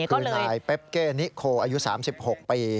คือนายเปปเก้นิโคอายุ๓๖ปี